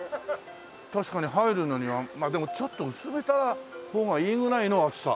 確かに入るのにはまあでもちょっと薄めた方がいいぐらいの熱さ。